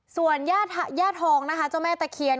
ส่วนแย่ทองนะคะชาวแม่ตะเขียน